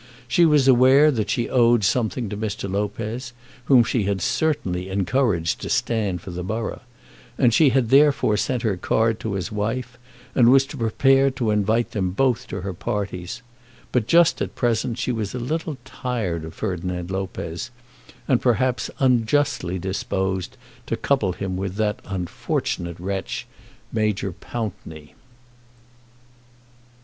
She was aware that she owed something to Mr. Lopez, whom she had certainly encouraged to stand for the borough, and she had therefore sent her card to his wife and was prepared to invite them both to her parties; but just at present she was a little tired of Ferdinand Lopez, and perhaps unjustly disposed to couple him with that unfortunate wretch, Major Pountney.